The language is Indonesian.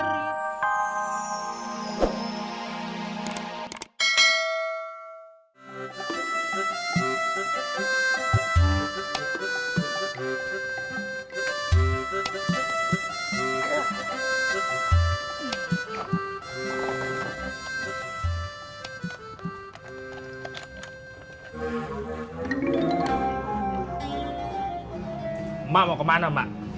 mbak mau kemana mbak